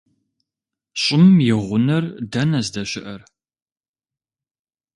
ЩӀым и гъунэр дэнэ здэщыӏэр?